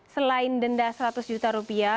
selain denda seratus juta rupiah